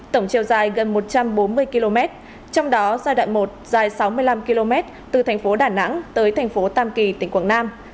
tổng chiều dài gần một trăm bốn mươi km trong đó giai đoạn một dài sáu mươi năm km từ thành phố đà nẵng tới thành phố tam kỳ tỉnh quảng nam